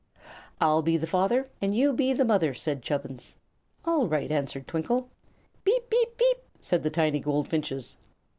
"I'll be the father, and you be the mother," said Chubbins. "All right," answered Twinkle. "Peep! peep! peep!" said the tiny goldfinches.